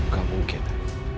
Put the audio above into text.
gak mungkin ya